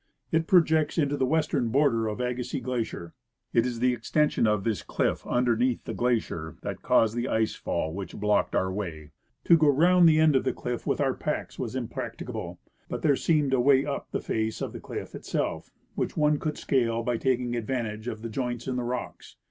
It projects into the western border of Agassiz glacier. It is the extension of this cliff underneath the glacier that caused the ice fall which blocked our way. To go round the end of the cliff with our packs was impracticable, but there seemed a way up the face of the cliff itself, which one could scale by taking advantage of the joints in the rocks.